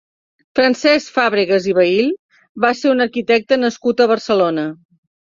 Francesc Fàbregas i Vehil va ser un arquitecte nascut a Barcelona.